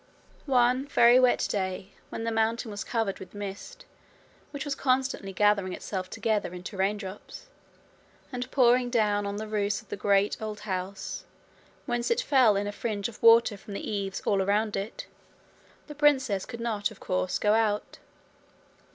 One very wet day, when the mountain was covered with mist which was constantly gathering itself together into raindrops, and pouring down on the roofs of the great old house, whence it fell in a fringe of water from the eaves all round about it, the princess could not of course go out.